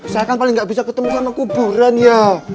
saya kan paling nggak bisa ketemu sama kuburan ya